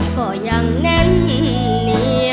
ก็ยังแน่นอน